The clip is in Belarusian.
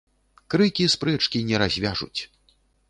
Крыкі спрэчкі не разьвяжуць